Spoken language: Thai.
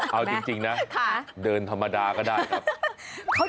เอาจริงนะเดินธรรมดาก็ได้ครับ